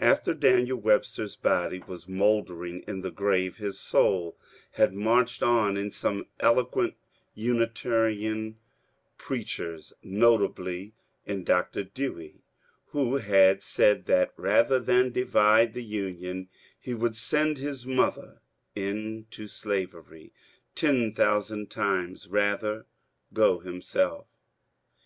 After Daniel Web ster's body was mouldering in the grave his soul had marched on in some eloquent Unitarian preachers, — notably in Dr. Dewey, who had said that rather than divide the Union he would ^^ send his mother into slavery, ten thousand times rather go himself."